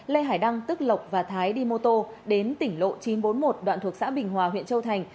lê hải đăng tức lộc và thái đi mô tô đến tỉnh lộ chín trăm bốn mươi một đoạn thuộc xã bình hòa huyện châu thành